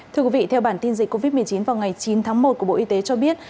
thưa quý vị theo bản tin dịch covid một mươi chín vào ngày chín tháng một của bộ y tế cho biết